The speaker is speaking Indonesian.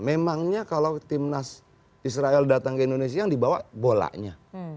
memangnya kalau timnas israel datang ke indonesia yang dibawa bolanya